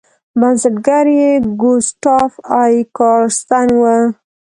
بنسټګر یې ګوسټاف ای کارستن و.